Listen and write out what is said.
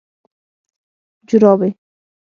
🧦جورابي